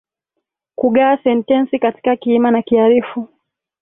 Kugawa sentensi katika kiima na kiarifu